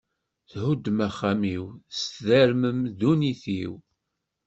Thuddem axxam-iw, tesdermem ddunit-iw.